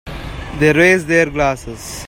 They raise their glasses.